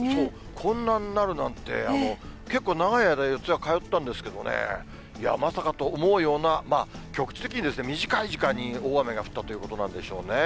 こんなになるなんて、結構長い間、四谷通ってたんですけどね、まさかと思うようなまあ、局地的に、短い時間に大雨が降ったということなんでしょうね。